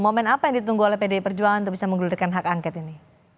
momen apa yang ditunggu oleh pdi perjuangan untuk bisa menggelirkan hak angket ini